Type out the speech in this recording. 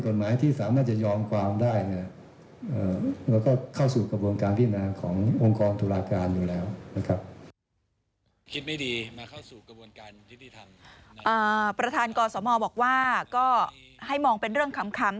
คิดไม่ดีมาเข้าสู่กระบวนการที่ที่ทำอ่าประธานกษมศ์หมอบอกว่าก็ให้มองเป็นเรื่องขำคำ